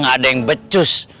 gak ada yang becus